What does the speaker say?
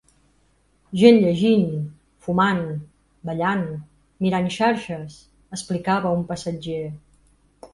Gent llegint, fumant, ballant, mirant xarxes, explicava un passatger.